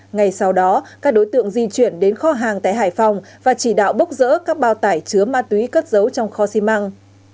ngày sau đó các đối tượng di chuyển đến kho hàng tại hải phòng và chỉ đạo bốc rỡ các bao tải chứa ma túy cất dấu trong kho xi măng